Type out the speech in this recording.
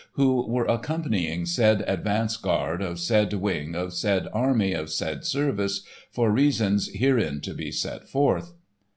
who were accompanying said advance guard of said wing of said army of said service for reasons herein to be set forth.